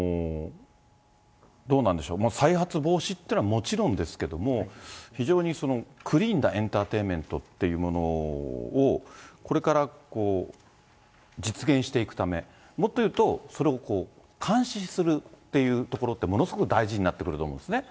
どうなんでしょう、再発防止っていうのはもちろんですけども、非常にクリーンなエンターテインメントっていうものをこれから実現していくため、もっと言うと、それを監視するっていうところって、ものすごく大事になってくると思うんですね。